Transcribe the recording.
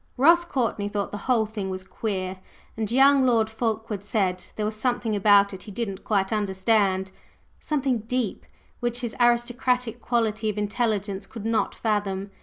Ross Courtney thought the whole thing was "queer;" and young Lord Fulkeward said there was something about it he didn't quite understand, something "deep," which his aristocratic quality of intelligence could not fathom.